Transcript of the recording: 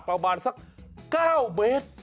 ประมาณสัก๙เมตร